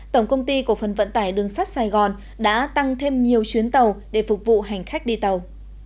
tổng công ty cổ phần vận tải đường sắt sài gòn đã tăng thêm nhiều chuyến tàu để phục vụ hành khách đi tàu